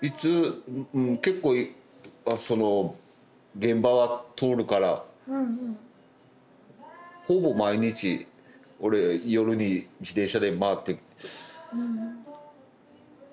結構その現場は通るからほぼ毎日俺夜に自転車で回っていく。